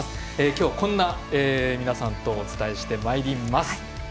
今日、こんな皆さんとお伝えしてまいります。